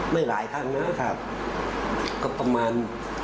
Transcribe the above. หลายครั้งนะครับก็ประมาณ